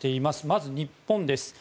まず、日本です。